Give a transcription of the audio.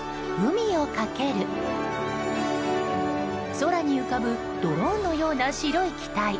空に浮かぶドローンのような白い機体。